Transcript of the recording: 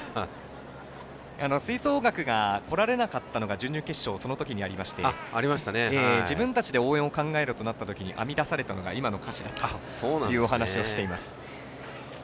吹奏楽が来られなかったのが準々決勝その時にありまして自分たちで応援を考えろとなった時に編み出されたのが今の歌詞だったというお話しをしています。